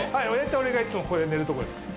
俺がいつもここで寝るとこです。